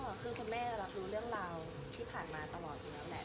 ก็คือคุณแม่รับรู้เรื่องราวที่ผ่านมาตลอดอยู่แล้วแหละ